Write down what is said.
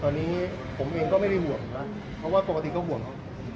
ตอนนี้ผมเองก็ไม่ได้ห่วงนะเพราะว่าปกติก็ห่วงเขา